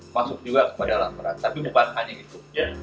masuk juga kepada laporan tapi bukan hanya itu